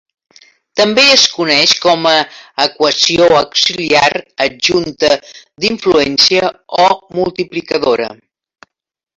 També es coneix com a equació "auxiliar", "adjunta", "d'influència" o "multiplicadora".